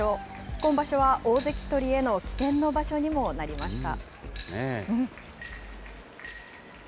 今場所は大関取りへの起点の場所にもなりました。